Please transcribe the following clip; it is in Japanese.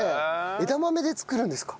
枝豆で作るんですか？